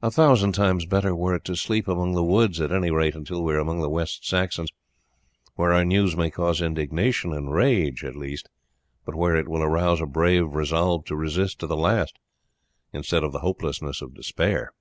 A thousand times better were it to sleep among the woods, at any rate until we are among the West Saxons, where our news may cause indignation and rage at least, but where it will arouse a brave resolve to resist to the last instead of the hopelessness of despair."